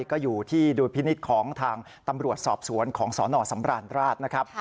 ก็อยู่ที่ดุลพินิษฐ์ของทางตำรวจสอบสวนของสนสำราญราชนะครับ